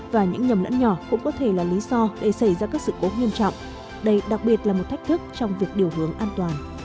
và những nhầm lẫn nhỏ cũng có thể là lý do để xảy ra các sự cố nghiêm trọng đây đặc biệt là một thách thức trong việc điều hướng an toàn